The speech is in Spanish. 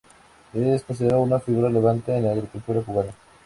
Es considerado una figura relevante en la agricultura cubana.